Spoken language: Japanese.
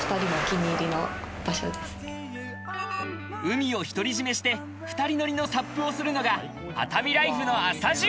海を独り占めして２人乗りのサップをするのが熱海ライフの朝充